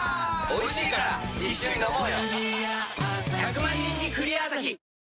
１００万人に「クリアアサヒ」